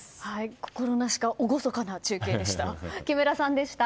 心なしか厳かな中継でした。